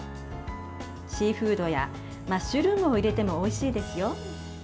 シーフードやマッシュルームを入れてもおいしいですよ。